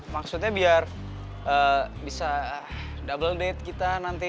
maksudnya biar bisa double date kita nanti